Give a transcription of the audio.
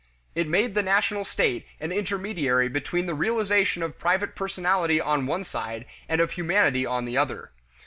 It made the national state an intermediary between the realization of private personality on one side and of humanity on the other.